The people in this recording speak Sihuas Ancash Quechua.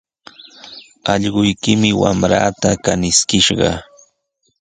Allquykimi wamraata kaniskishqa.